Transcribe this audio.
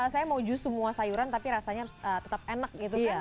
saya mau jus semua sayuran tapi rasanya tetap enak gitu kan